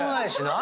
何？